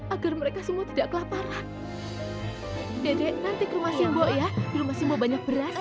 agar mereka semua tidak kelaparan dede nanti ke rumah simbo ya rumah simbo banyak beras